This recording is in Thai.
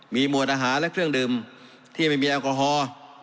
มีหมวดอาหารและเครื่องดื่มที่ไม่มีแอลกอฮอล์